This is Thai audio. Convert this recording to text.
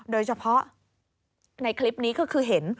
โดยเฉพาะในคลิปนี้ก็คือเห็น